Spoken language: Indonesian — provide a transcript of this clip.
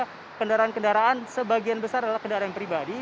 tadi saya melihat juga kendaraan kendaraan sebagian besar adalah kendaraan pribadi